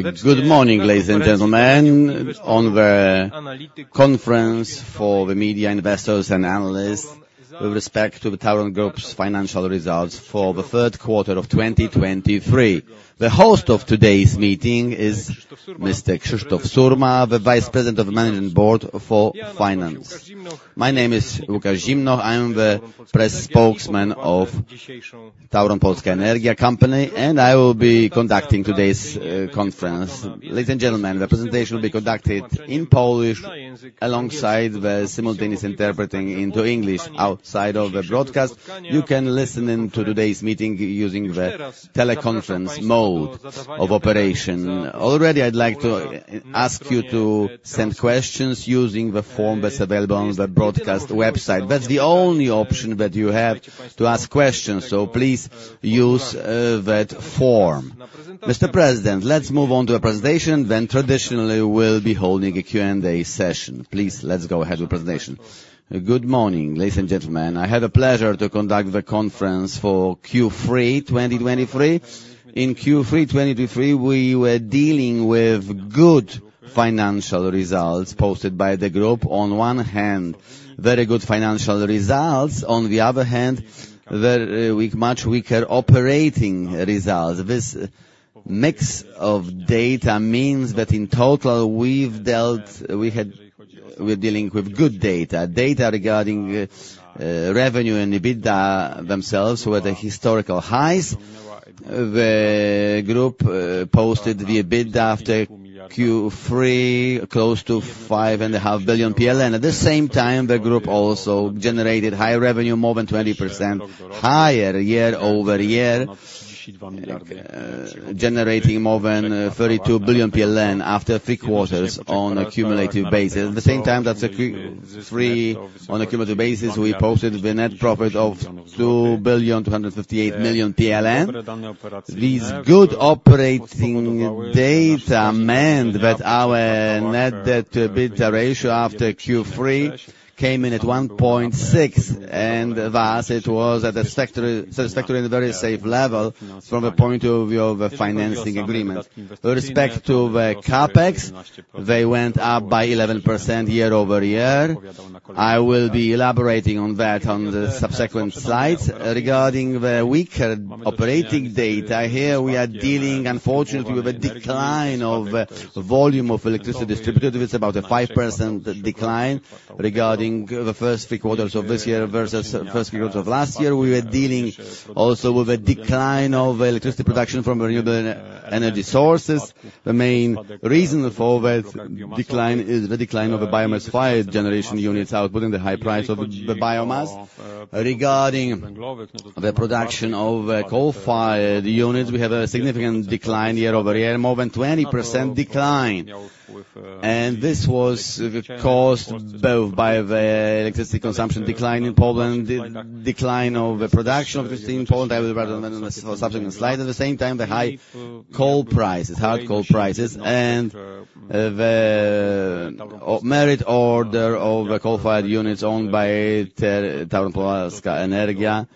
Good morning, ladies and gentlemen, on the conference for the media, investors, and analysts, with respect to the TAURON Group's financial results for the third quarter of 2023. The host of today's meeting is Mr. Krzysztof Surma, the Vice President of the Management Board for Finance. My name is Łukasz Zimnoch, I am the press spokesman of TAURON Polska Energia Company, and I will be conducting today's conference. Ladies and gentlemen, the presentation will be conducted in Polish, alongside the simultaneous interpreting into English. Outside of the broadcast, you can listen in to today's meeting using the teleconference mode of operation. Already, I'd like to ask you to send questions using the form that's available on the broadcast website. That's the only option that you have to ask questions, so please use that form. Mr. President, let's move on to the presentation, then traditionally, we'll be holding a Q&A session. Please, let's go ahead with presentation. Good morning, ladies and gentlemen. I had a pleasure to conduct the conference for Q3 2023. In Q3 2023, we were dealing with good financial results posted by the group. On one hand, very good financial results, on the other hand, very weak, much weaker operating results. This mix of data means that in total, we're dealing with good data. Data regarding revenue and EBITDA themselves were the historical highs. The group posted the EBITDA after Q3, close to 5.5 billion PLN. At the same time, the group also generated higher revenue, more than 20% higher year-over-year, generating more than 32 billion PLN after three quarters on a cumulative basis. At the same time, that's Q3 on a cumulative basis, we posted the net profit of 2,258 million PLN. These good operating data meant that our net debt to EBITDA ratio after Q3 came in at 1.6, and thus it was at a sector, sectorally, very safe level from a point of view of a financing agreement. With respect to the CapEx, they went up by 11% year-over-year. I will be elaborating on that on the subsequent slides. Regarding the weaker operating data, here we are dealing, unfortunately, with a decline of volume of electricity distributed. It's about a 5% decline regarding the first three quarters of this year versus first three quarters of last year. We were dealing also with a decline of electricity production from renewable energy sources. The main reason for that decline is the decline of the biomass-fired generation units outputting the high price of the biomass. Regarding the production of coal-fired units, we have a significant decline year-over-year, more than 20% decline. This was caused both by the electricity consumption decline in Poland, the decline of the production of electricity in Poland, I will provide on the subsequent slide. At the same time, the high coal prices, hard coal prices, and the merit order of the coal-fired units owned by TAURON Polska Energia.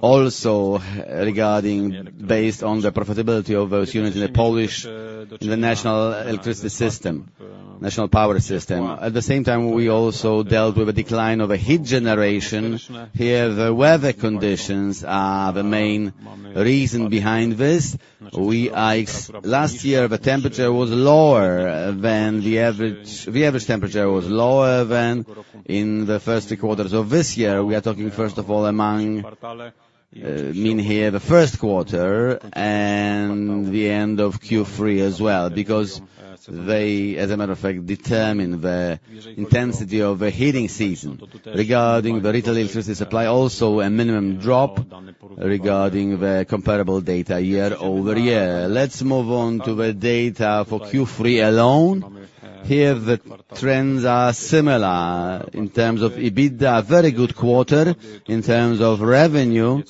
Also, regarding, based on the profitability of those units in the Polish, in the national electricity system, national power system. At the same time, we also dealt with a decline of a heat generation. Here, the weather conditions are the main reason behind this. Last year, the temperature was lower than the average. The average temperature was lower than in the first three quarters of this year. We are talking, first of all, I mean here, the first quarter and the end of Q3 as well, because they, as a matter of fact, determine the intensity of the heating season. Regarding the retail electricity supply, also a minimum drop regarding the comparable data year-over-year. Let's move on to the data for Q3 alone. Here, the trends are similar. In terms of EBITDA, very good quarter. In terms of revenue,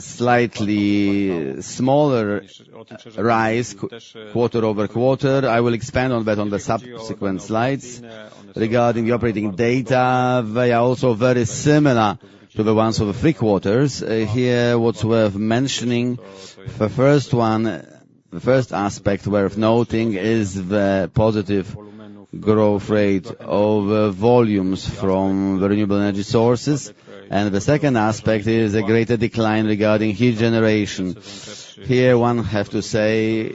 slightly smaller rise, quarter-over-quarter. I will expand on that on the subsequent slides. Regarding the operating data, they are also very similar to the ones for the three quarters. Here, what's worth mentioning, the first one, the first aspect worth noting is the positive growth rate of volumes from the renewable energy sources, and the second aspect is a greater decline regarding heat generation. Here, one have to say,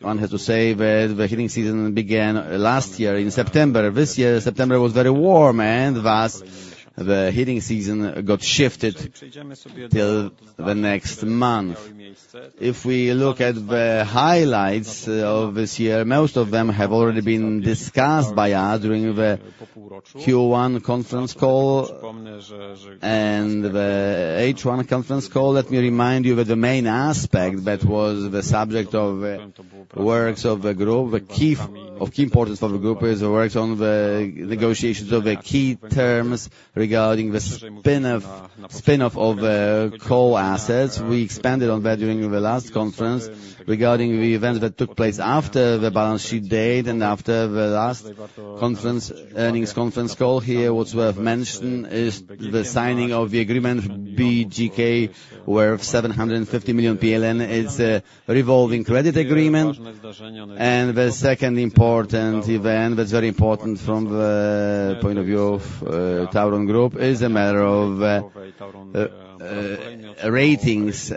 one has to say that the heating season began last year in September. This year, September was very warm, and thus, the heating season got shifted till the next month. If we look at the highlights of this year, most of them have already been discussed by us during the Q1 conference call and the H1 conference call. Let me remind you that the main aspect that was the subject of works of the group, the key, of key importance for the group, is the works on the negotiations of the key terms regarding the spin-off, spin-off of the coal assets. We expanded on that during the last conference. Regarding the events that took place after the balance sheet date and after the last conference, earnings conference call, here, what's worth mentioning is the signing of the agreement BGK, worth 750 million PLN. It's a revolving credit agreement. The second important event, that's very important from the point of view of TAURON Group, is a matter of ratings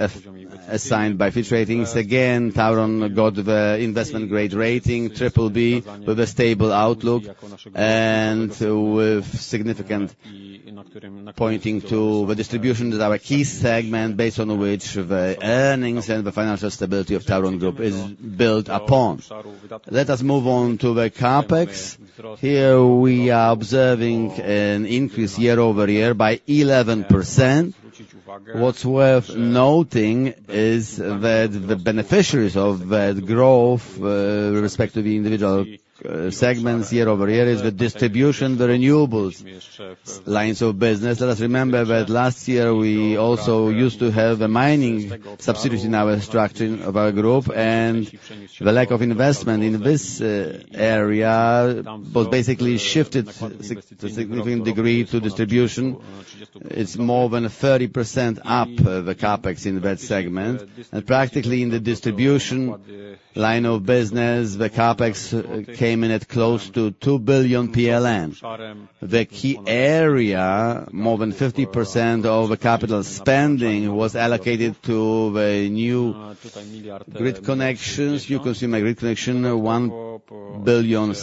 assigned by Fitch Ratings. Again, TAURON got the investment grade rating BBB with a stable outlook, and with significant pointing to the distribution is our key segment, based on which the earnings and the financial stability of TAURON Group is built upon. Let us move on to the CapEx. Here, we are observing an increase year-over-year by 11%. What's worth noting is that the beneficiaries of that growth, with respect to the individual segments year-over-year, is the distribution, the renewables lines of business. Let us remember that last year, we also used to have a mining substitute in our structure of our group, and the lack of investment in this area was basically shifted to significant degree to distribution. It's more than 30% up the CapEx in that segment, and practically in the distribution line of business, the CapEx came in at close to 2 billion PLN. The key area, more than 50% of the capital spending, was allocated to the new grid connections, new consumer grid connection, 1.06 billion.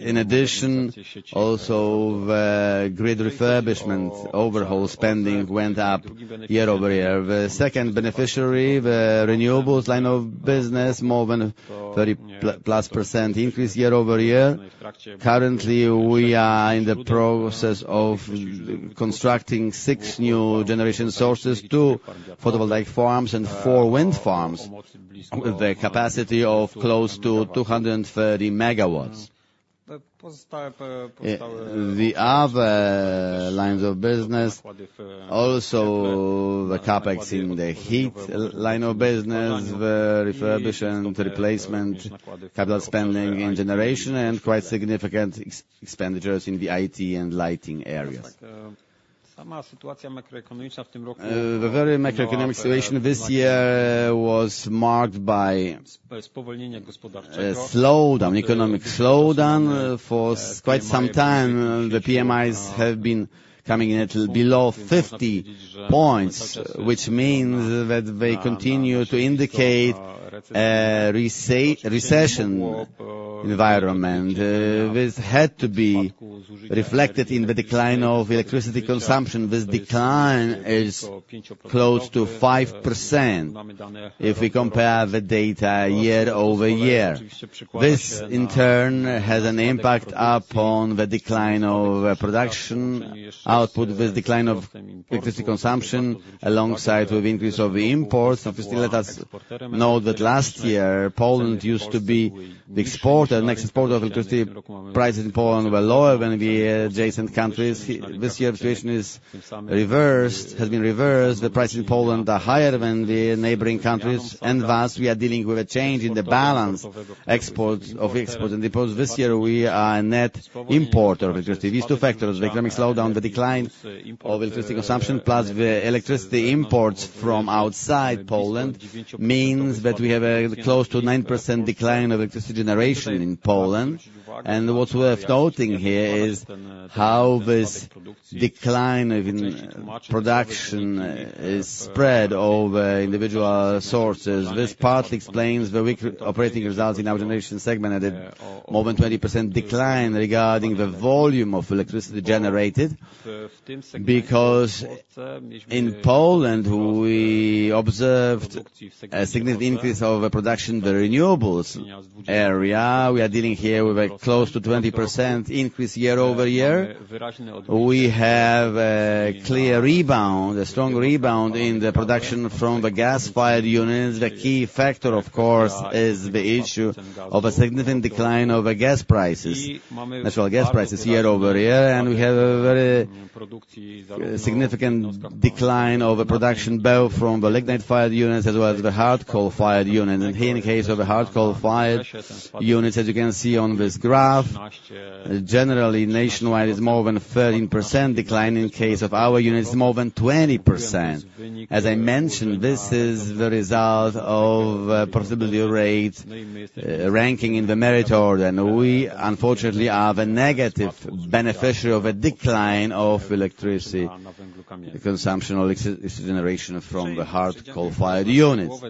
In addition, also the grid refurbishment, overhaul spending went up year-over-year. The second beneficiary, the renewables line of business, more than 30%+ increase year-over-year. Currently, we are in the process of constructing six new generation sources, two photovoltaic farms and four wind farms, with a capacity of close to 230 MW. The other lines of business, also the CapEx in the heat line of business, the refurbishment, replacement, capital spending and generation, and quite significant expenditures in the IT and lighting areas. The very macroeconomic situation this year was marked by a slowdown, economic slowdown. For quite some time, the PMIs have been coming in at below 50 points, which means that they continue to indicate a recession environment. This had to be reflected in the decline of electricity consumption. This decline is close to 5% if we compare the data year-over-year. This, in turn, has an impact upon the decline of production output, with decline of electricity consumption, alongside with increase of imports. And still let us note that last year, Poland used to be the exporter, net exporter of electricity. Prices in Poland were lower than the adjacent countries. This year, situation is reversed, has been reversed. The prices in Poland are higher than the neighboring countries, and thus, we are dealing with a change in the balance export, of exports and imports. This year, we are a net importer of electricity. These two factors, the economic slowdown, the decline of electricity consumption, plus the electricity imports from outside Poland, means that we have a close to 9% decline of electricity generation in Poland. And what's worth noting here is how this decline in production is spread over individual sources. This partly explains the weak operating results in our generation segment, at a more than 20% decline regarding the volume of electricity generated. Because in Poland, we observed a significant increase over production, the renewables area. We are dealing here with a close to 20% increase year-over-year. We have a clear rebound, a strong rebound in the production from the gas-fired units. The key factor, of course, is the issue of a significant decline of the gas prices, natural gas prices year-over-year, and we have a very significant decline over production, both from the lignite-fired units as well as the hard coal-fired unit. In here, in the case of the hard coal-fired units, as you can see on this graph, generally, nationwide, it's more than 13% decline. In case of our units, it's more than 20%. As I mentioned, this is the result of possibility rate ranking in the merit order, and we unfortunately are the negative beneficiary of a decline of electricity consumption or electricity generation from the hard coal-fired units.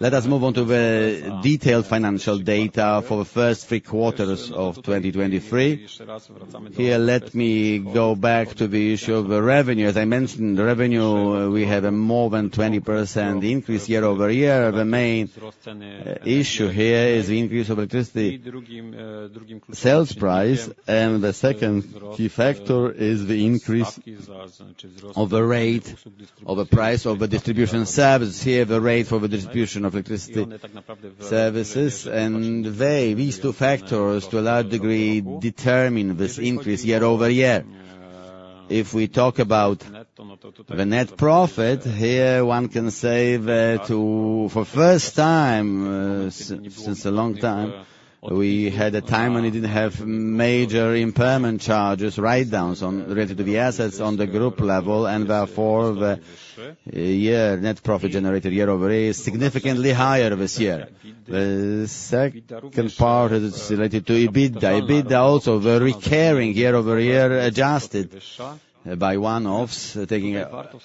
Let us move on to the detailed financial data for the first three quarters of 2023. Here, let me go back to the issue of the revenue. As I mentioned, the revenue, we had a more than 20% increase year-over-year. The main issue here is the increase of electricity sales price, and the second key factor is the increase of the rate, of the price of the distribution service. Here, the rate for the distribution of electricity services, and they, these two factors, to a large degree, determine this increase year-over-year. If we talk about the net profit, here, one can say that, for first time, since a long time, we had a time when we didn't have major impairment charges, write-downs on, related to the assets on the group level, and therefore, the year net profit generated year-over-year is significantly higher this year. The second part is related to EBITDA. EBITDA also, the recurring year-over-year adjusted by one-offs, taking,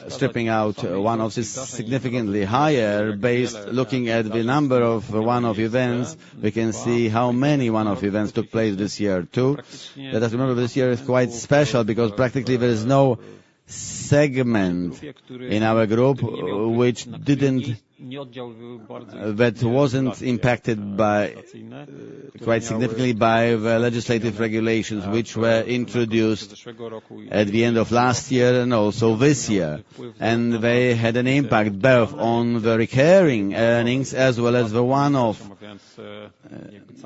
stripping out one-offs is significantly higher based. Looking at the number of one-off events, we can see how many one-off events took place this year, too. Let us remember, this year is quite special, because practically, there is no segment in our group which didn't, that wasn't impacted by, quite significantly, by the legislative regulations, which were introduced at the end of last year and also this year. They had an impact both on the recurring earnings as well as the one-off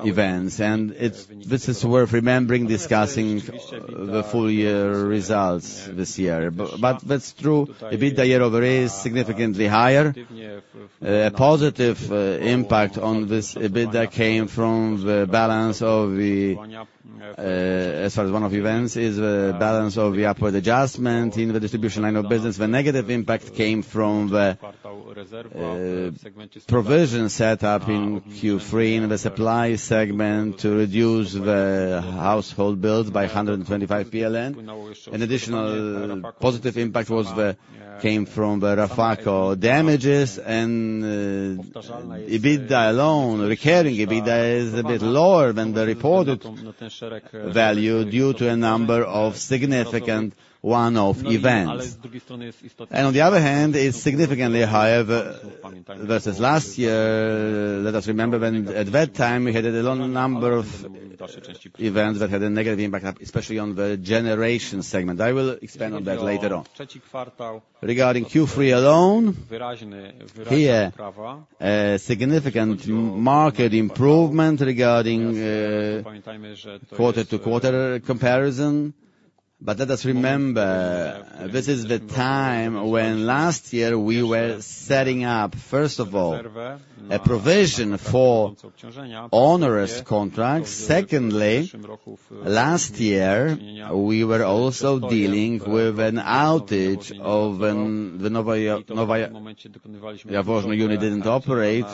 events, and this is worth remembering, discussing the full year results this year. But it's true, EBITDA year-over-year is significantly higher. Positive impact on this EBITDA came from the balance of the, as far as one-off events, is the balance of the upward adjustment in the distribution line of business. The negative impact came from the provision set up in Q3 in the supply segment to reduce the household bills by 125 PLN. An additional positive impact came from the RAFAKO damages and EBITDA alone, recurring EBITDA, is a bit lower than the reported value due to a number of significant one-off events. On the other hand, it's significantly higher versus last year. Let us remember, when at that time, we had a long number of events that had a negative impact, especially on the generation segment. I will expand on that later on. Regarding Q3 alone, here, a significant market improvement regarding quarter-to-quarter comparison. But let us remember, this is the time when last year we were setting up, first of all, a provision for onerous contracts. Secondly, last year, we were also dealing with an outage of the Nowe Jaworzno, Nowe Jaworzno unit didn't operate.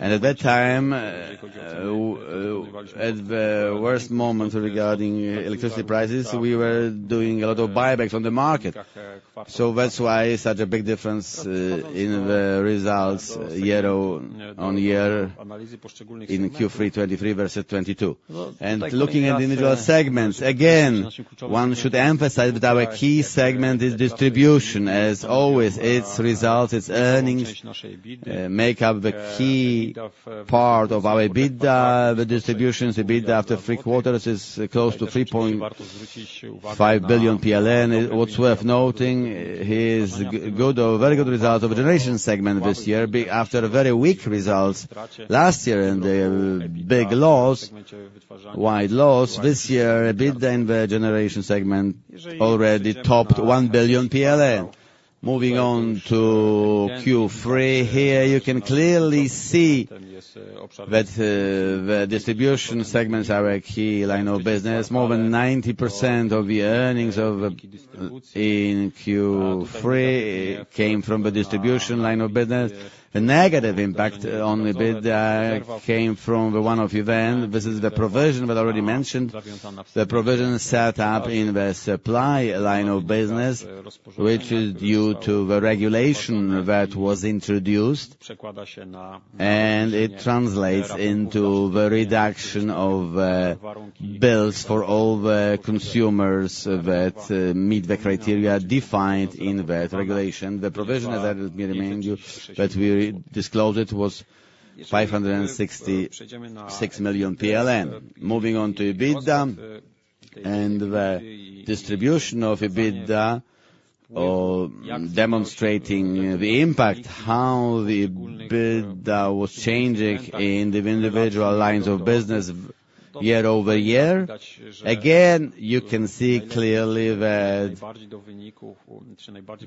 At that time, at the worst moment regarding electricity prices, we were doing a lot of buybacks on the market. So that's why such a big difference in the results year-on-year in Q3 2023 versus 2022. Looking at the individual segments, again, one should emphasize that our key segment is distribution. As always, its results, its earnings, make up the key part of our EBITDA. The distribution's EBITDA, after three quarters, is close to 3.5 billion PLN. What's worth noting is a very good result of the generation segment this year, after a very weak results last year and a big loss, wide loss. This year, EBITDA in the generation segment already topped 1 billion. Moving on to Q3, here, you can clearly see that the distribution segments are a key line of business. More than 90% of the earnings of, in Q3 came from the distribution line of business. The negative impact on EBITDA came from the one-off event. This is the provision that I already mentioned. The provision set up in the supply line of business, which is due to the regulation that was introduced, and it translates into the reduction of, bills for all the consumers that, meet the criteria defined in that regulation. The provision, let me remind you, that we disclosed it, was 566 million PLN. Moving on to EBITDA and the distribution of EBITDA, or demonstrating the impact, how the EBITDA was changing in the individual lines of business year-over-year. Again, you can see clearly that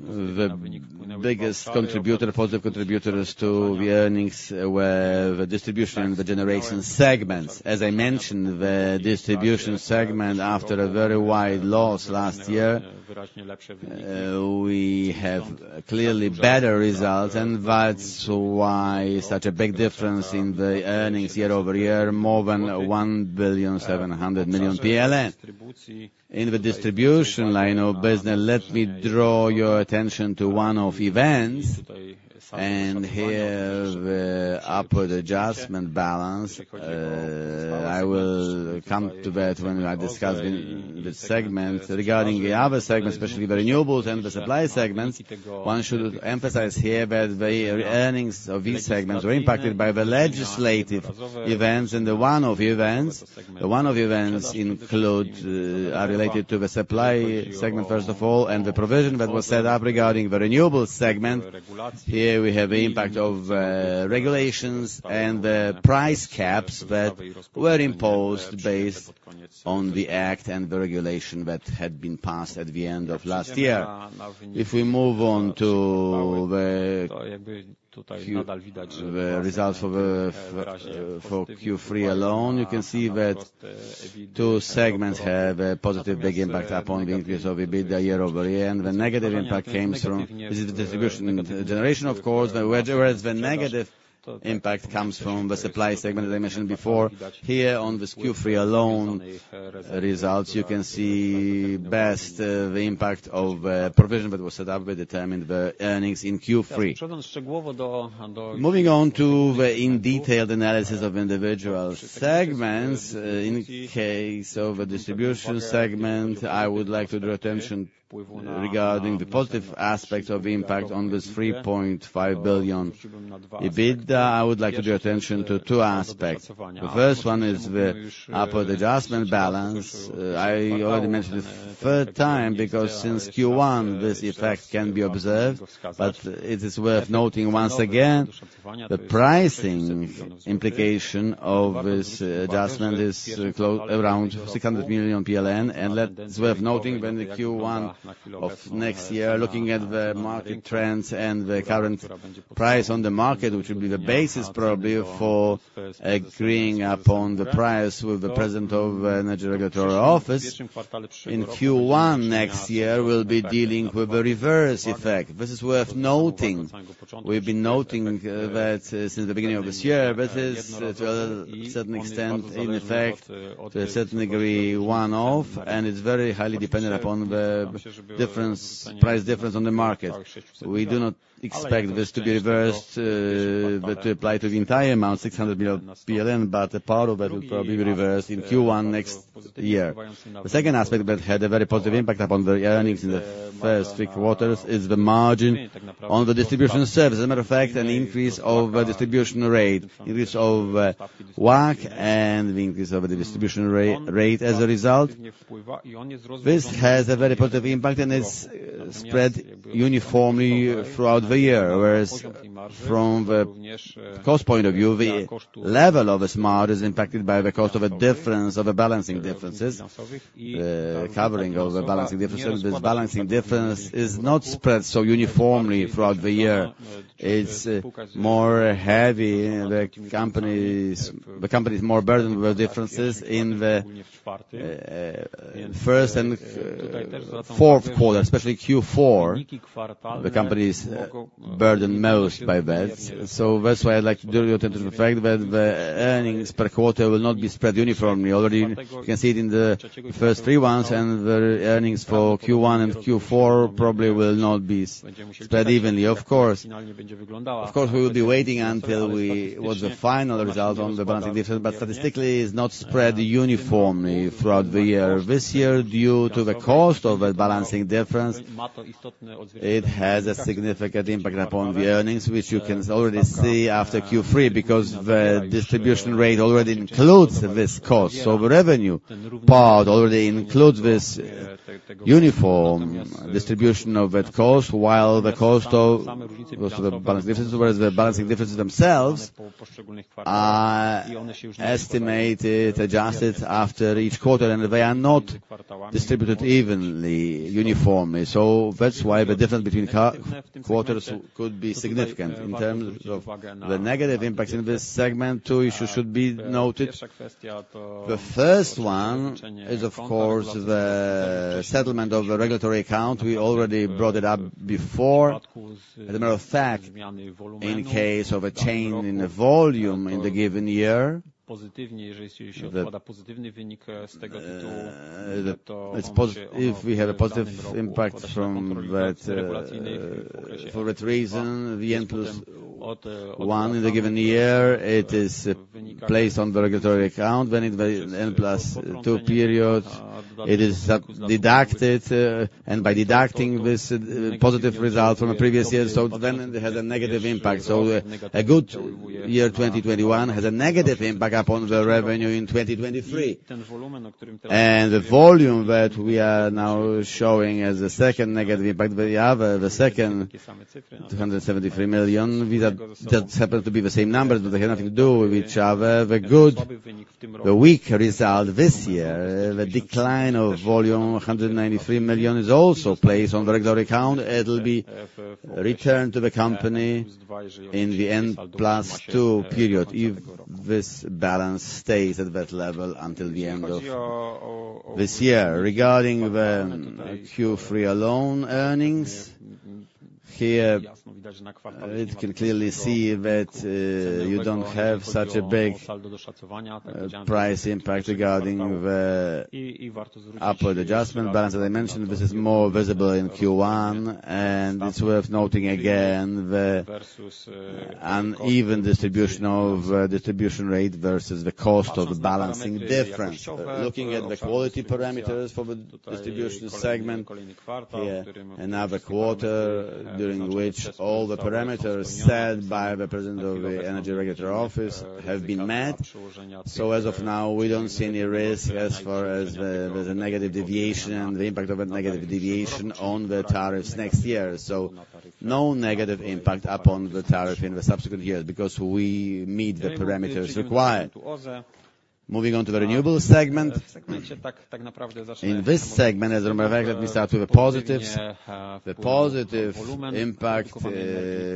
the biggest contributor, positive contributors to the earnings were the distribution and the generation segments. As I mentioned, the distribution segment, after a very wide loss last year, we have clearly better results, and that's why such a big difference in the earnings year-over-year, more than 1.7 billion. In the distribution line of business, let me draw your attention to one of events. And here, the upward adjustment balance, I will come to that when I discuss the segment. Regarding the other segments, especially the renewables and the supply segments, one should emphasize here that the earnings of these segments were impacted by the legislative events, and the one-off events. The one-off events are related to the supply segment, first of all, and the provision that was set up regarding the renewables segment. Here, we have the impact of regulations and the price caps that were imposed based on the act and the regulation that had been passed at the end of last year. If we move on to the few, the results for the, for Q3 alone, you can see that two segments have a positive big impact upon the increase of EBITDA year-over-year, and the negative impact came from, this is the distribution and generation, of course, but whereas the negative impact comes from the supply segment, as I mentioned before, here on this Q3 alone results, you can see best the impact of provision that was set up, we determined the earnings in Q3. Moving on to the detailed analysis of individual segments, in case of a distribution segment, I would like to draw attention regarding the positive aspects of impact on this 3.5 billion PLN EBITDA. I would like to draw your attention to two aspects. The first one is the upward adjustment balance. I already mentioned it the third time, because since Q1, this effect can be observed, but it is worth noting once again, the pricing implication of this adjustment is around 600 million PLN, and that is worth noting when the Q1 of next year, looking at the market trends and the current price on the market, which will be the basis, probably, for agreeing upon the price with the President of Energy Regulatory Office. In Q1 next year, we'll be dealing with the reverse effect. This is worth noting. We've been noting that since the beginning of this year, this is to a certain extent, in effect, to a certain degree, one-off, and it's very highly dependent upon the difference, price difference on the market. We do not expect this to be reversed, but to apply to the entire amount, 600 million PLN, but a part of it will probably be reversed in Q1 next year. The second aspect that had a very positive impact upon the earnings in the first three quarters is the margin on the distribution service. As a matter of fact, an increase of the distribution rate, increase of WACC, and the increase of the distribution rate as a result. This has a very positive impact, and it's spread uniformly throughout the year, whereas from the cost point of view, the level of this margin is impacted by the cost of a difference, of the balancing differences, covering of the balancing differences. This balancing difference is not spread so uniformly throughout the year. It's more heavy, the company's, the company is more burdened with differences in the first and fourth quarter, especially Q4, the company is burdened most by that. So that's why I'd like to draw your attention to the fact that the earnings per quarter will not be spread uniformly. Already, you can see it in the first three months, and the earnings for Q1 and Q4 probably will not be spread evenly, of course. Of course, we will be waiting until we, what the final result on the balancing difference, but statistically, it's not spread uniformly throughout the year. This year, due to the cost of the balancing difference, it has a significant impact upon the earnings, which you can already see after Q3, because the distribution rate already includes this cost. So the revenue part already includes this uniform distribution of that cost, while the cost of the balance differences, whereas the balancing differences themselves are estimated, adjusted after each quarter, and they are not distributed evenly, uniformly. So that's why the difference between quarters could be significant. In terms of the negative impacts in this segment, two issues should be noted. The first one is, of course, the settlement of the Regulatory Account. We already brought it up before. As a matter of fact, in case of a change in the volume in the given year, the, it's if we have a positive impact from that, for that reason, the N plus one in the given year, it is placed on the Regulatory Account, when in the N plus two periods, it is deducted, and by deducting this positive result from a previous year, so then it has a negative impact. So a good year, 2021, has a negative impact upon the revenue in 2023. And the volume that we are now showing as the second negative impact, the other, the second 273 million, that, that happens to be the same numbers, but they have nothing to do with each other. The good, the weak result this year, the decline of volume, 193 million, is also placed on the regulatory account. It'll be returned to the company in the N plus two period, if this balance stays at that level until the end of this year. Regarding the Q3 alone, earnings? Here, it can clearly see that, you don't have such a big, price impact regarding the upward adjustment. But as I mentioned, this is more visible in Q1, and it's worth noting again, the uneven distribution of, distribution rate versus the cost of balancing different. Looking at the quality parameters for the distribution segment, here, another quarter during which all the parameters set by the president of the Energy Regulatory Office have been met. So as of now, we don't see any risk as far as the negative deviation, the impact of a negative deviation on the tariffs next year. So no negative impact upon the tariff in the subsequent years, because we meet the parameters required. Moving on to the renewable segment. In this segment, as a matter of fact, let me start with the positives. The positive impact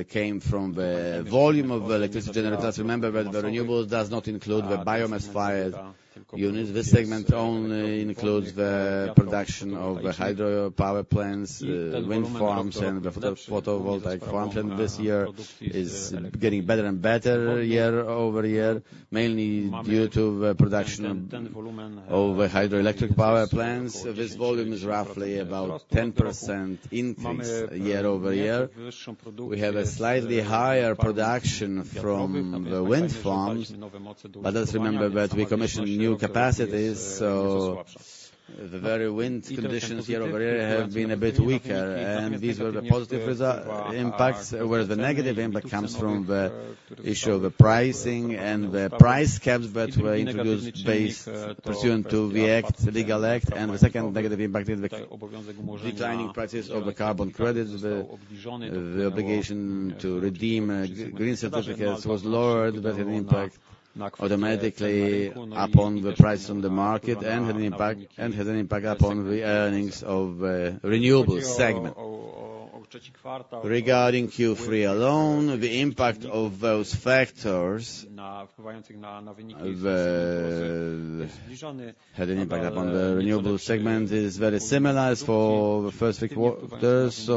came from the volume of electricity generation. Remember that the renewable does not include the biomass fired units. This segment only includes the production of the hydropower plants, wind farms, and the photovoltaic farms, and this year is getting better and better year-over-year, mainly due to the production of the hydroelectric power plants. This volume is roughly about 10% increase year-over-year. We have a slightly higher production from the wind farms, but let's remember that we commissioned new capacities, so the very wind conditions year-over-year have been a bit weaker, and these were the positive impacts, whereas the negative impact comes from the issue of the pricing and the price caps that were introduced based pursuant to the act, the legal act. The second negative impact is the declining prices of the carbon credits. The obligation to redeem green certificates was lowered, but had an impact automatically upon the price on the market and had an impact upon the earnings of the renewables segment. Regarding Q3 alone, the impact of those factors had an impact upon the renewable segment, is very similar as for the first three quarters.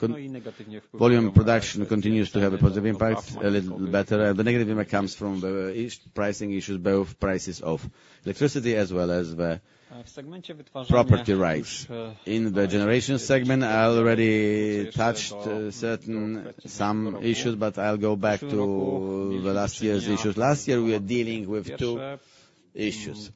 Volume production continues to have a positive impact, a little better. The negative impact comes from the energy pricing issues, both prices of electricity as well as the property rights. In the generation segment, I already touched certain issues, but I'll go back to last year's issues. Last year, we are dealing with two issues.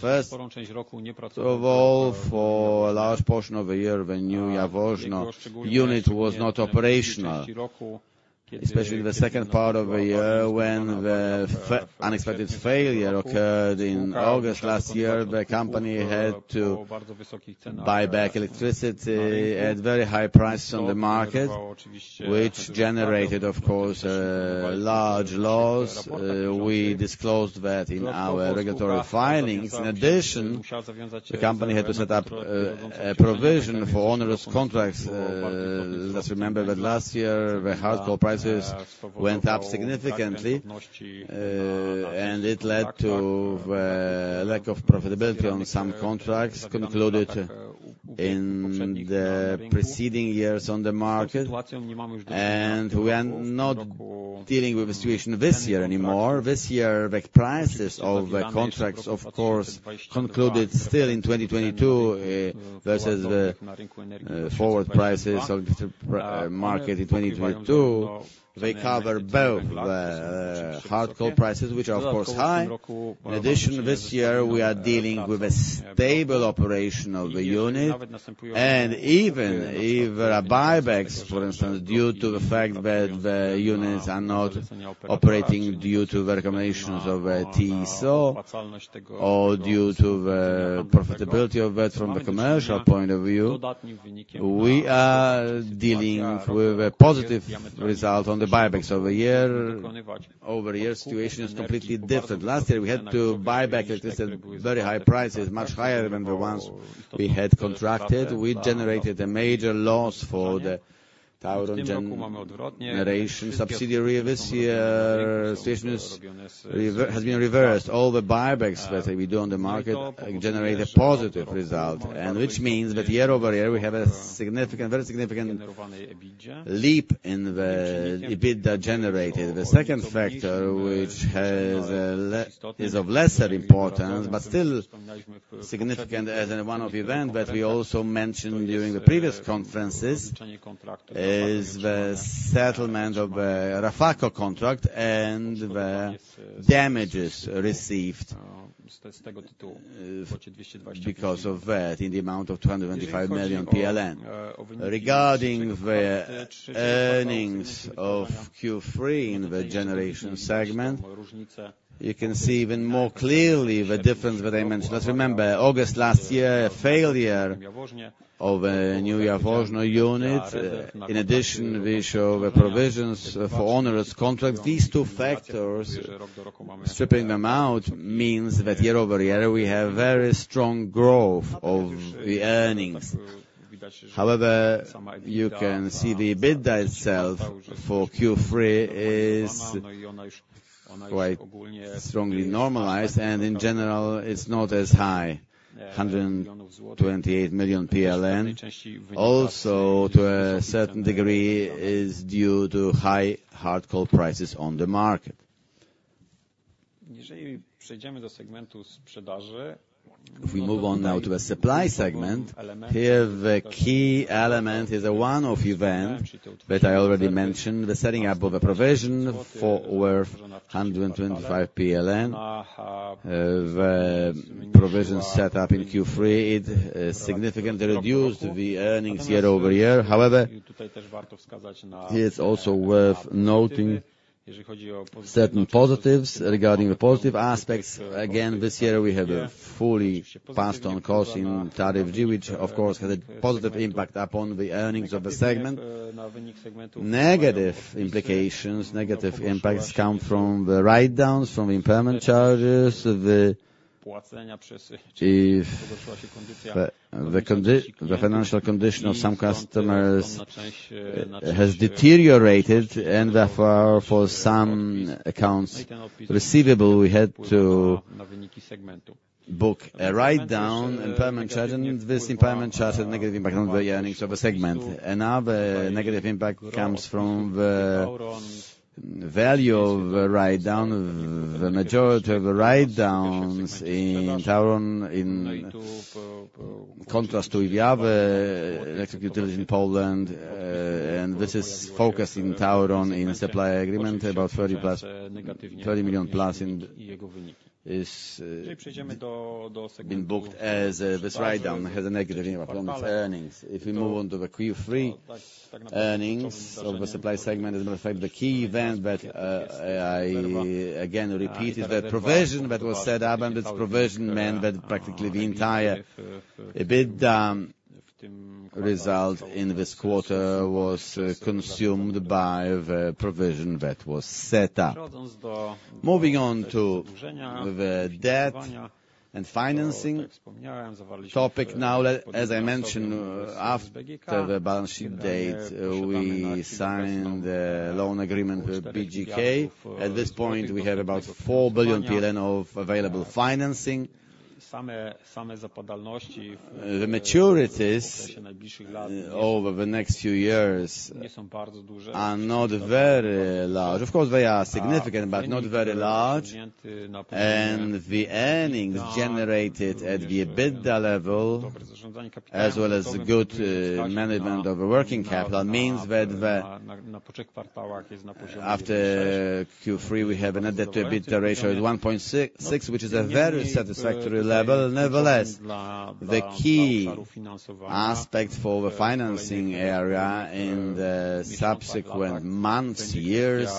First of all, for a large portion of the year, the new Jaworzno unit was not operational, especially in the second part of the year when the unexpected failure occurred in August last year, the company had to buy back electricity at very high prices on the market, which generated, of course, large losses. We disclosed that in our regulatory filings. In addition, the company had to set up a provision for onerous contracts. Let's remember that last year, the hard coal prices went up significantly, and it led to the lack of profitability on some contracts concluded in the preceding years on the market. We are not dealing with the situation this year anymore. This year, the prices of the contracts, of course, concluded still in 2022, versus the forward prices of the market in 2022. They cover both the hard coal prices, which are of course high. In addition, this year, we are dealing with a stable operation of the unit, and even if there are buybacks, for instance, due to the fact that the units are not operating due to the recommendations of TSO, or due to the profitability of that from the commercial point of view, we are dealing with a positive result on the buybacks. So the year-over-year situation is completely different. Last year, we had to buy back at this, at very high prices, much higher than the ones we had contracted. We generated a major loss for the TAURON generation subsidiary. This year, the situation has been reversed. All the buybacks that we do on the market generate a positive result, and which means that year-over-year, we have a significant, very significant leap in the EBITDA generated. The second factor, which is of lesser importance, but still significant as one of the events, but we also mentioned during the previous conferences, is the settlement of the RAFAKO contract and the damages received because of that, in the amount of 225 million PLN. Regarding the earnings of Q3 in the generation segment, you can see even more clearly the difference that I mentioned. Let's remember, August last year, a failure of a new Jaworzno unit. In addition, we show the provisions for onerous contracts. These two factors, stripping them out, means that year-over-year, we have very strong growth of the earnings. However, you can see the EBITDA itself for Q3 is quite strongly normalized, and in general, it's not as high. 128 million PLN, also to a certain degree, is due to high hard coal prices on the market. If we move on now to the supply segment, here, the key element is a one-off event that I already mentioned, the setting up of a provision for worth 125 PLN. The provision set up in Q3, it significantly reduced the earnings year-over-year. However, it's also worth noting certain positives regarding the positive aspects. Again, this year, we had a fully passed-on cost in Tariff G, which of course, had a positive impact upon the earnings of the segment. Negative implications, negative impacts come from the write-downs from impairment charges, the financial condition of some customers has deteriorated, and therefore, for some accounts receivable, we had to book a write-down, impairment charge, and this impairment charge had negative impact on the earnings of a segment. Another negative impact comes from the value of the write-down. The majority of the write-downs in TAURON, in contrast to the other electric utilities in Poland, and this is focused in TAURON in supply agreement, about 30 million plus has been booked as this write-down has a negative impact on its earnings. If we move on to the Q3 earnings of the supply segment, as a matter of fact, the key event, but I again repeated the provision that was set up, and this provision meant that practically the entire EBITDA result in this quarter was consumed by the provision that was set up. Moving on to the debt and financing topic. Now, as I mentioned, after the balance sheet date, we signed the loan agreement with BGK. At this point, we have about 4 billion PLN of available financing. The maturities over the next few years are not very large. Of course, they are significant, but not very large. The earnings generated at the EBITDA level, as well as good management of the working capital, means that the. After Q3, we have a net debt to EBITDA ratio of 1.66, which is a very satisfactory level. Nevertheless, the key aspect for the financing area in the subsequent months, years,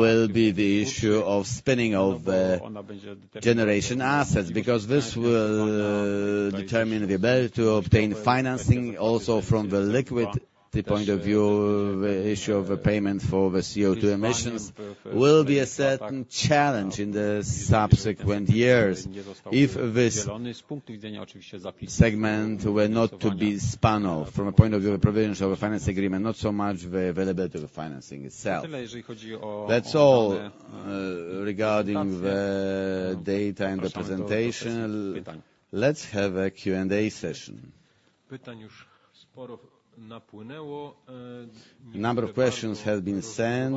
will be the issue of spinning off the generation assets, because this will determine the ability to obtain financing also from the liquidity point of view. The issue of a payment for the CO2 emissions will be a certain challenge in the subsequent years. If this segment were not to be spun off from a point of view of the provisions of a finance agreement, not so much the availability of the financing itself. That's all regarding the data and representation. Let's have a Q&A session. A number of questions have been sent,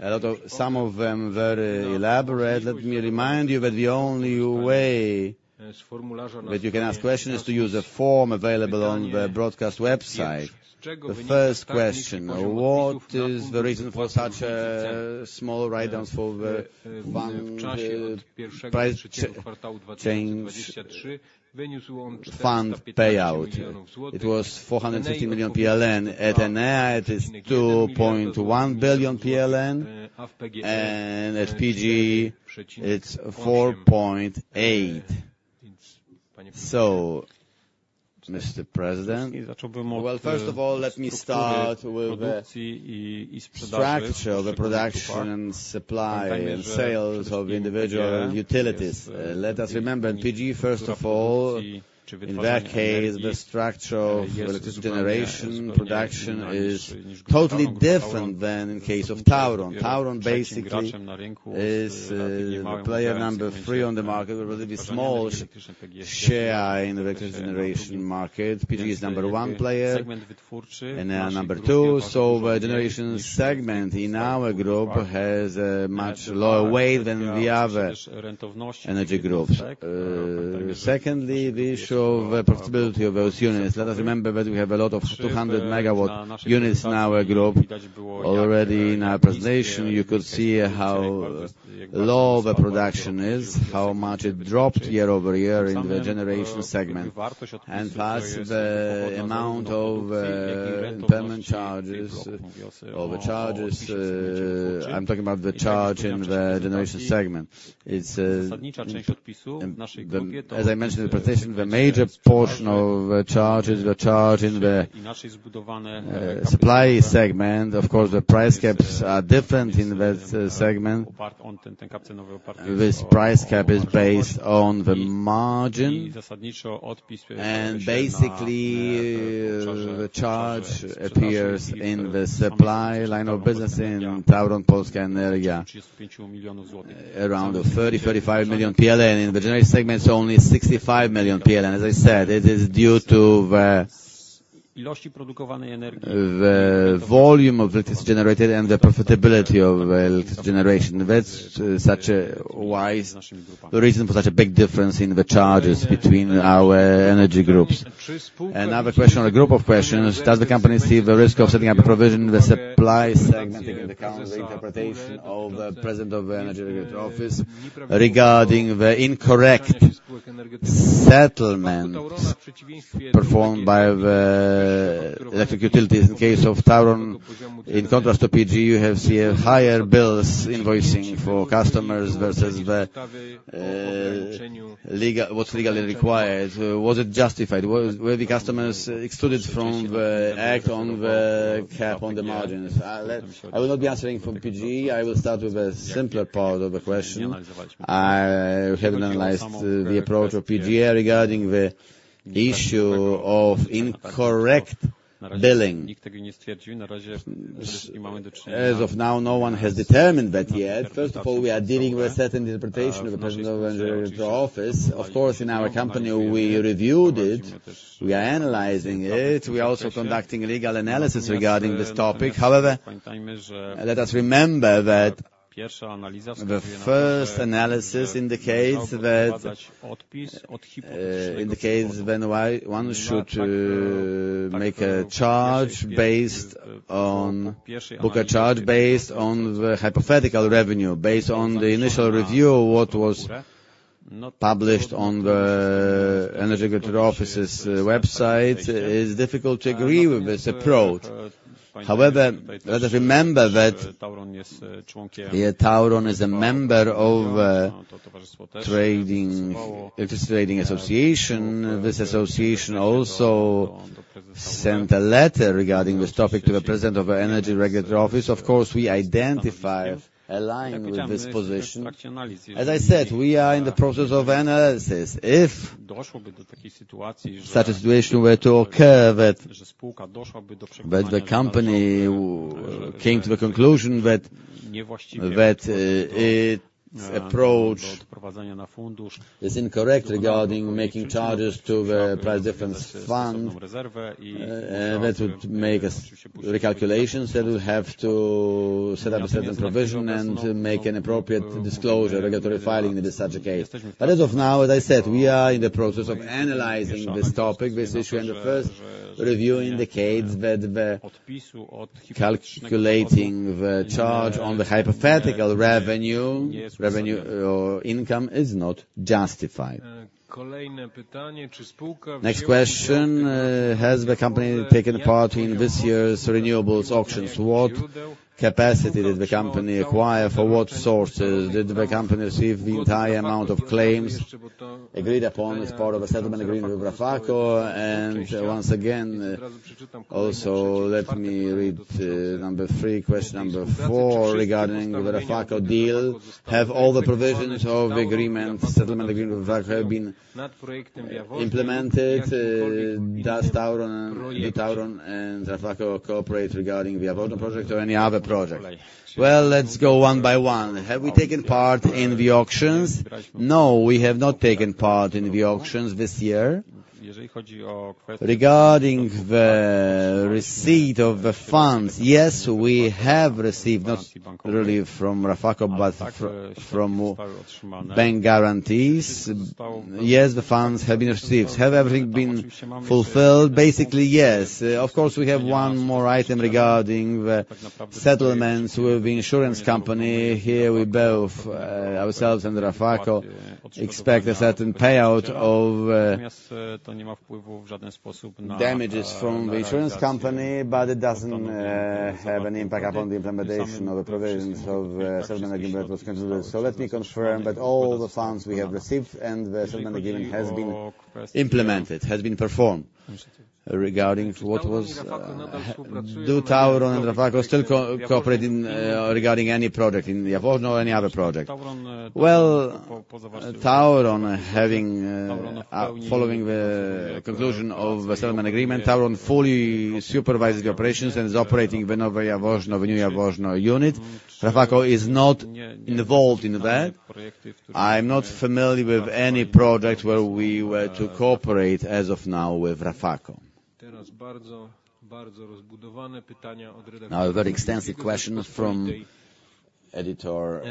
a lot of some of them very elaborate. Let me remind you that the only way that you can ask questions is to use a form available on the broadcast website. The first question: What is the reason for such a small write-downs for the Price Change Fund payout? It was 450 million PLN, at Enea it is 2.1 billion PLN, and at PGE, it's 4.8 billion PLN. So, Mr. President? Well, first of all, let me start with the structure of the production, supply, and sales of individual utilities. Let us remember, in PGE, first of all, in that case, the structure of electricity generation production is totally different than in case of TAURON. TAURON, basically, is player number three on the market, with a relatively small share in the electricity generation market. PGE is number one player, Enea number two. So the generation segment in our group has a much lower weight than the other energy groups. Secondly, the issue of the profitability of those units. Let us remember that we have a lot of 200 MW units in our group. Already in our presentation, you could see how low the production is, how much it dropped year-over-year in the generation segment, and thus the amount of impairment charges or the charges. I'm talking about the charge in the generation segment. It's, as I mentioned in the presentation, the major portion of the charges were charged in the supply segment. Of course, the price caps are different in that segment. This price cap is based on the margin, and basically, the charge appears in the supply line of business in TAURON Polska Energia, around 30 million-35 million PLN. In the generation segment, it's only PLN 65 million. As I said, it is due to the volume of electricity generated and the profitability of electricity generation. That's such a wise reason for such a big difference in the charges between our energy groups. Another question or a group of questions: Does the company see the risk of setting up a provision in the supply segment, taking into account the interpretation of the President of the Energy Regulatory Office regarding the incorrect settlements performed by the electric utilities? In case of TAURON, in contrast to PGE, you have seen higher bills invoicing for customers versus the legal, what's legally required. Was it justified? Were the customers excluded from the act on the cap, on the margins? I will not be answering from PGE. I will start with a simpler part of the question. I have analyzed the approach of PGE regarding the issue of incorrect billing. As of now, no one has determined that yet. First of all, we are dealing with a certain interpretation of the President of Energy Regulatory Office. Of course, in our company, we reviewed it, we are analyzing it. We are also conducting legal analysis regarding this topic. However, let us remember that the first analysis indicates that, in the case when why one should to make a charge based on, book a charge based on the hypothetical revenue, based on the initial review of what was published on the Energy Regulatory Office's website, it is difficult to agree with this approach. However, let us remember that, TAURON is a member of, trading, participating association. This association also sent a letter regarding this topic to the President of Energy Regulatory Office. Of course, we identified aligned with this position. As I said, we are in the process of analysis. If such a situation were to occur that the company came to the conclusion that its approach is incorrect regarding making charges to the Price Difference Fund, that would make us recalculations, that we have to set up a certain provision and make an appropriate disclosure, regulatory filing in such a case. But as of now, as I said, we are in the process of analyzing this topic, this issue, and the first review indicates that the calculating the charge on the hypothetical revenue or income is not justified. Next question, has the company taken part in this year's renewables auctions? What capacity did the company acquire? For what sources did the company receive the entire amount of claims agreed upon as part of a settlement agreement with RAFAKO? And once again, also, let me read, number three, question number four regarding the RAFAKO deal. Have all the provisions of the agreement, settlement agreement with RAFAKO been implemented? Does TAURON, do TAURON and RAFAKO cooperate regarding the Jaworzno project or any other project? Well, let's go one by one. Have we taken part in the auctions? No, we have not taken part in the auctions this year. Regarding the receipt of the funds, yes, we have received, not really from RAFAKO, but from bank guarantees. Yes, the funds have been received. Have everything been fulfilled? Basically, yes. Of course, we have one more item regarding the settlements with the insurance company. Here, we both, ourselves and RAFAKO, expect a certain payout of damages from the insurance company, but it doesn't have any impact upon the implementation of the provisions of the settlement agreement that was concluded. So let me confirm that all the funds we have received and the settlement agreement has been implemented, has been performed. Regarding to what was. Do TAURON and RAFAKO still cooperating regarding any project in Jaworzno or any other project? Well, TAURON having following the conclusion of the settlement agreement, TAURON fully supervises the operations and is operating the new Jaworzno, the new Jaworzno unit. RAFAKO is not involved in that. I'm not familiar with any project where we were to cooperate as of now with RAFAKO. Now, a very extensive question from Editor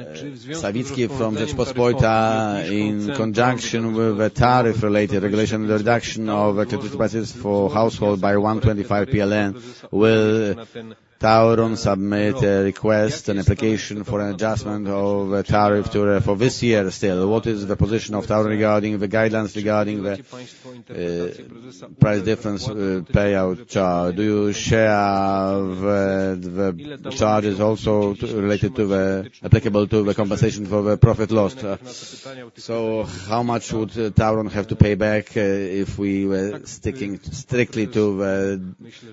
Sawicki from Rzeczpospolita. In conjunction with the tariff-related regulation, the reduction of electricity prices for household by 125 PLN, will TAURON submit a request, an application for an adjustment of the tariff to the, for this year still? What is the position of TAURON regarding the guidelines regarding the, price difference, payout charge? Do you share, the charges also related to the, applicable to the compensation for the profit lost? So how much would TAURON have to pay back, if we were sticking strictly to the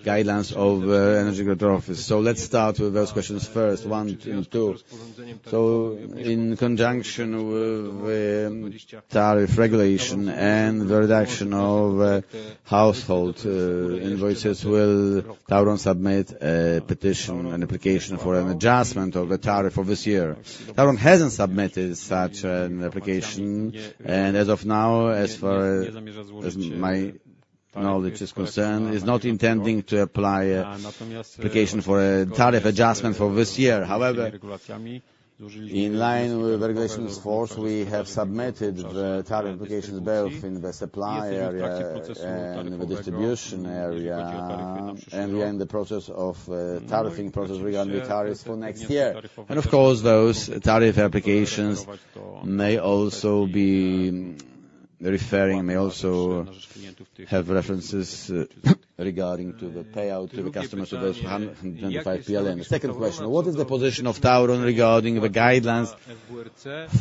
guidelines of, Energy Regulatory Office? So let's start with those questions first, one and two. So in conjunction with, tariff regulation and the reduction of, household, invoices, will TAURON submit a petition, an application for an adjustment of the tariff for this year? TAURON hasn't submitted such an application, and as of now, as for, as my knowledge now which is concerned, is not intending to apply, application for a tariff adjustment for this year. However, in line with the regulations in force, we have submitted the tariff applications both in the supply area and the distribution area, and we are in the process of, tariffing process regarding tariffs for next year. And of course, those tariff applications may also be referring, may also have references regarding to the payout to the customers of those 105. The second question: What is the position of TAURON regarding the guidelines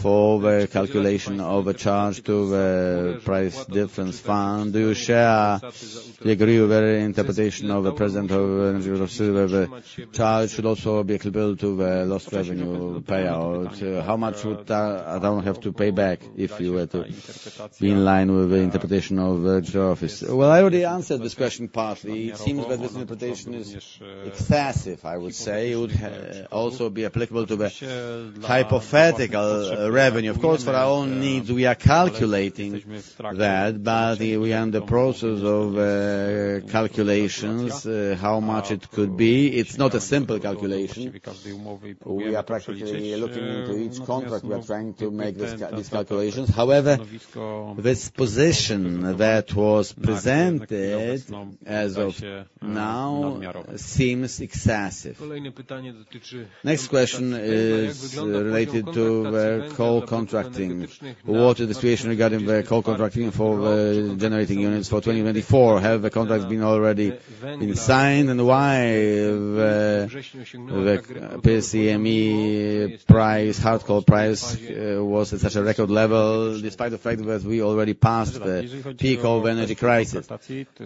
for the calculation of a charge to the Price Difference Fund? Do you share, do you agree with the interpretation of the president of energy, where the charge should also be applicable to the lost revenue payout? How much would TAURON have to pay back if you were to be in line with the interpretation of the office? Well, I already answered this question partly. It seems that this interpretation is excessive, I would say. It would also be applicable to the hypothetical revenue. Of course, for our own needs, we are calculating that, but we are in the process of calculations how much it could be. It's not a simple calculation. We are practically looking into each contract. We are trying to make these, these calculations. However, this position that was presented as of now seems excessive. Next question is related to the coal contracting. What is the situation regarding the coal contracting for the generating units for 2024? Have the contracts been already signed, and why the PSCMI price, hard coal price, was at such a record level, despite the fact that we already passed the peak of energy crisis?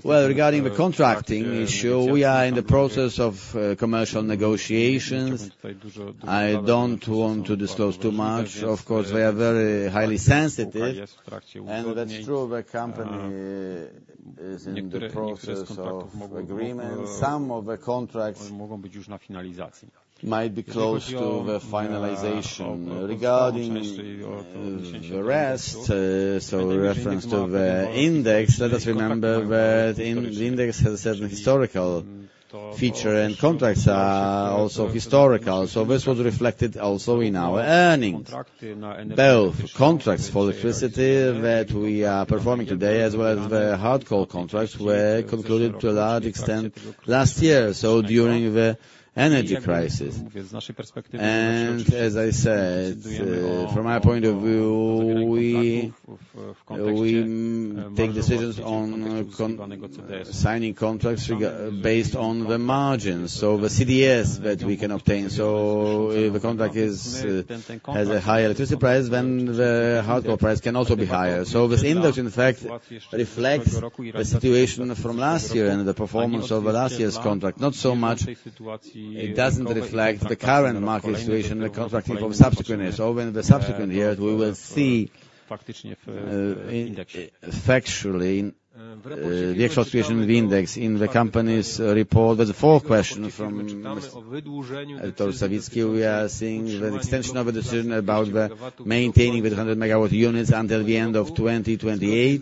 Well, regarding the contracting issue, we are in the process of commercial negotiations. I don't want to disclose too much. Of course, they are very highly sensitive, and that's true, the company is in the process of agreement. Some of the contracts might be close to the finalization. Regarding the rest, so in reference to the index, let us remember that the index has a certain historical feature, and contracts are also historical. So this was reflected also in our earnings. Both contracts for electricity that we are performing today, as well as the hard coal contracts, were concluded to a large extent last year, so during the energy crisis. And as I said, from my point of view, we take decisions on signing contracts based on the margins, so the CDS that we can obtain. So if the contract has a higher electricity price, then the hard coal price can also be higher. So this index, in fact, reflects the situation from last year and the performance of last year's contract. Not so much, it doesn't reflect the current market situation, the contracting for subsequent years. So in the subsequent years, we will see factually the fluctuation of the index in the company's report. There's a fourth question from Mr. Sawicki. We are seeing the extension of the decision about maintaining the 200 MW units until the end of 2028,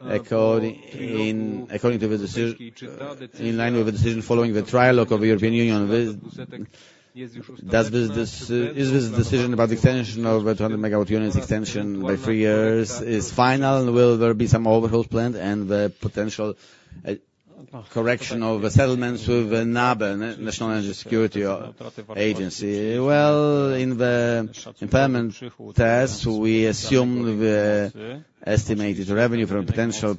according to the decision...In line with the decision following the trialogue of the European Union, is this decision about extension of the 200 MW units extension by 3 years final, and will there be some overhauls planned, and the potential correction of the settlements with the NABE, National Energy Security Agency? Well, in the impairment tests, we assume the estimated revenue from potential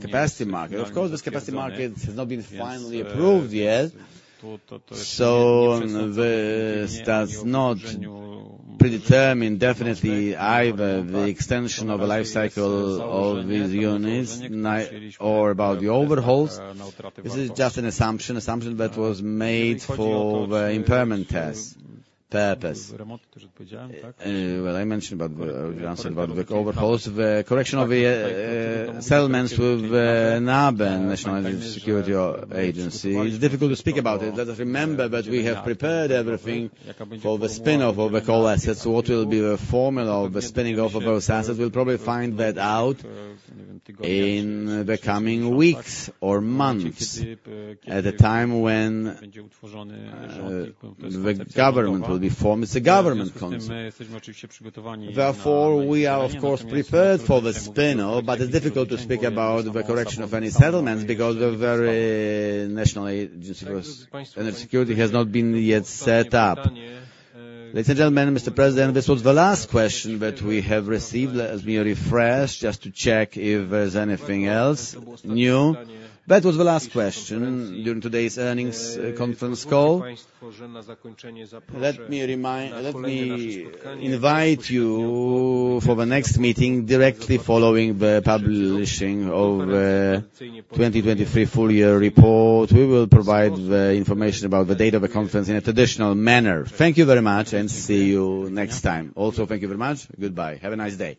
capacity market. Of course, this capacity market has not been finally approved yet, so this does not predetermine definitely either the extension of the life cycle of these units, or about the overhauls. This is just an assumption, assumption that was made for the impairment test purpose. Well, I mentioned about the, answered about the overhauls, the correction of the settlements with NABE, National Energy Security Agency. It's difficult to speak about it. Let us remember that we have prepared everything for the spin-off of the coal assets. What will be the formula of the spinning off of those assets? We'll probably find that out in the coming weeks or months, at the time when the government will be formed. It's a government concept. Therefore, we are, of course, prepared for the spin-off, but it's difficult to speak about the correction of any settlements because the very National Energy Security Agency has not been yet set up. Ladies and gentlemen, Mr. President, this was the last question that we have received. Let me refresh just to check if there's anything else new. That was the last question during today's earnings conference call. Let me invite you for the next meeting, directly following the publishing of 2023 full year report. We will provide the information about the date of the conference in a traditional manner. Thank you very much, and see you next time. Also, thank you very much. Goodbye. Have a nice day.